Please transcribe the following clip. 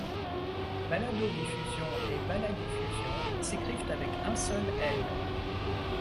Baladodiffusion et baladiffusion s'écrivent avec un seul l.